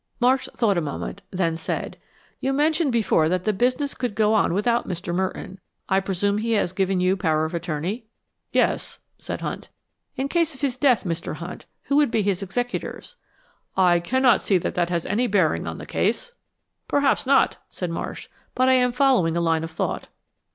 Marsh thought a moment, then said, "You mentioned before that the business could go on without Mr. Merton. I presume he has given you power of attorney?" "Yes," said Hunt. "In case of his death, Mr. Hunt, who would be his executors?" "I cannot see that that has any bearing on the case." "Perhaps not," said Marsh, "but I am following a line of thought."